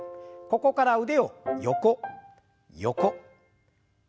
ここから腕を横横前前。